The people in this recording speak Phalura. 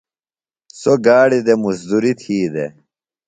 سوۡ گاڑیۡ دےۡ مزدُرُری تھی دےۡ۔